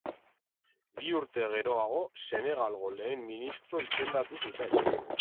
Bi urte geroago Senegalgo lehen ministro izendatu zuten.